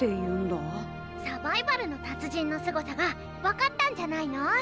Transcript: サバイバルの達人のすごさが分かったんじゃないの？